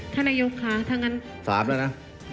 ท่านนายกค่ะถ้างั้น๓แล้วนะ